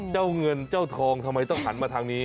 เจ้าเงินเจ้าทองทำไมต้องหันมาทางนี้